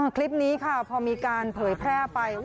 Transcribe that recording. คลิปนี้ค่ะพอมีการเผยแพร่ไป